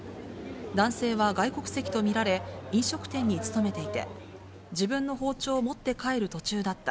男性は外国籍と見られ、飲食店に勤めていて、自分の包丁を持って帰る途中だった。